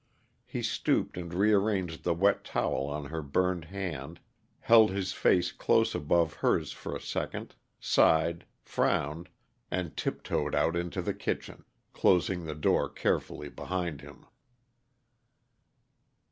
He stooped and rearranged the wet towel on her burned hand, held his face close above hers for a second, sighed, frowned, and tiptoed out into the kitchen, closing the door carefully behind him.